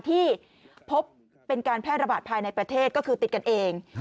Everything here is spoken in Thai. ที่พบเป็นการแพร่ระบาดภายในประเทศก็คือติดกันเอง